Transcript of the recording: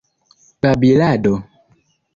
babilado